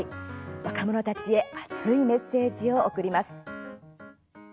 若者たちへ熱いメッセージを送ります。